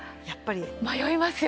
迷いますよ